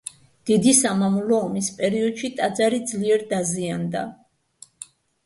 დიდი სამამულო ომის პერიოდში ტაძარი ძლიერ დაზიანდა.